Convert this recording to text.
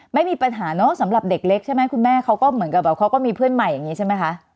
ไม่มีปัญหาเนอะสำหรับเด็กเล็กใช่ไหมคุณแม่เขาก็เหมือนกับแบบเขาก็มีเพื่อนใหม่อย่างนี้ใช่ไหมคะ